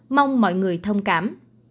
mong mọi người thông cảm